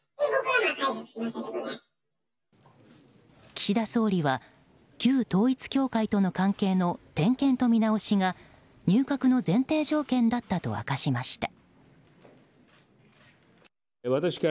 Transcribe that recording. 岸田総理は旧統一教会との関係の点検と見直しが入閣の前提条件だったと明かしました。